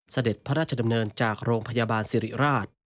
เสด็จพระราชดำเนินจากโรงพยาบาลสิริราช